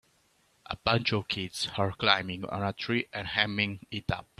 A bunch of kids are climbing on a tree and hamming it up.